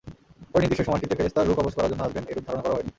ঐ নির্দিষ্ট সময়টিতে ফেরেশতা রূহ কবয করার জন্যে আসবেন এরূপ ধারণা করাও হয়নি।